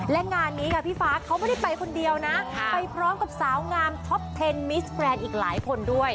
และงานนี้ค่ะพี่ฟ้าเขาไม่ได้ไปคนเดียวนะไปพร้อมกับสาวงามท็อปเทนมิสแกรนด์อีกหลายคนด้วย